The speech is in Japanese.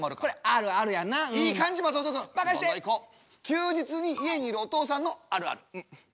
休日に家にいるお父さんのあるある。